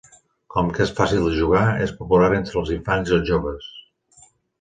Com que és fàcil de jugar, és popular entre els infants i els joves.